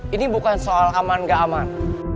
ini bukan soal aman nggak aman